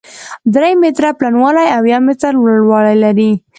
درې متره پلنوالی او يو متر لوړوالی لري،